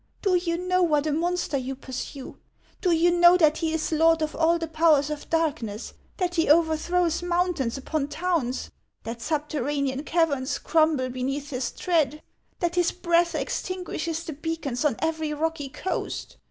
Do you know what a monster you pursue? Do you know that he is lord of all the powers of dark ness ; that he overthrows mountains upon towns ; that subterranean caverns crumble beneath his tread ; that his breath extinguishes the beacons on every rocky coast?